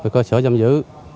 cơ sở giam giữ